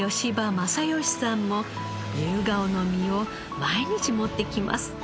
正好さんもユウガオの実を毎日持ってきます。